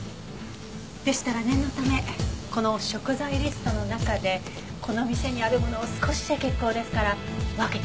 でしたら念のためこの食材リストの中でこの店にあるものを少しで結構ですから分けて頂けますか？